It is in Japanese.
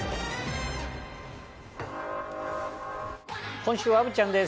今週は虻ちゃんです